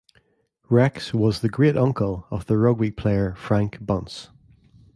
Rex was the great uncle of the rugby player Frank Bunce.